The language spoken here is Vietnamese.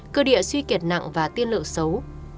cơ địa suy kiệt nặng và tiên lượng xấu